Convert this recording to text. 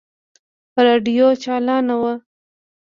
راډيو چالانه وه.